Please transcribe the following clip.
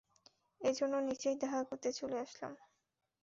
এজন্য নিজেই দেখা করতে চলে আসলাম।